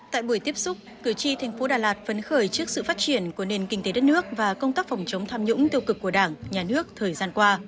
tại buổi tiếp xúc cử tri thành phố đà lạt phấn khởi trước sự phát triển của nền kinh tế đất nước và công tác phòng chống tham nhũng tiêu cực của đảng nhà nước thời gian qua